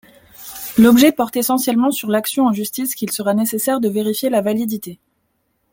L’objet porte essentiellement sur l’action en justice qu'il sera nécessaire de vérifier la validité.